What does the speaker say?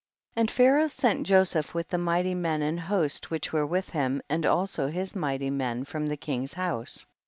4. And Pharaoh sent Joseph with the mighty men and host which w^ere with him, and also his mighty men from the king's house.